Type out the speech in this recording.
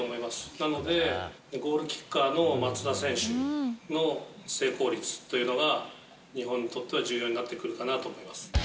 なので、ゴールキッカーの松田選手の成功率というのが、日本にとっては重要になってくるかなと思います。